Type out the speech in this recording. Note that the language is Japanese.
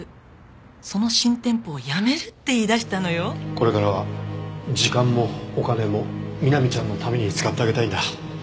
これからは時間もお金も美波ちゃんのために使ってあげたいんだ。